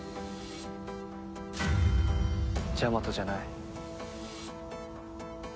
ジャマトじゃない。